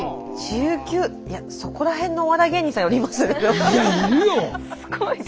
いやそこら辺のお笑い芸人さんよりいますね。